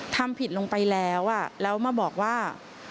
ทำผิดลงไปแล้วแล้วมาบอกว่า